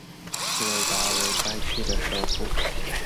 苏韦达为该区的首府。